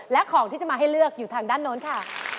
และของที่จะมาให้เลือกอยู่ทางด้านโน้นค่ะ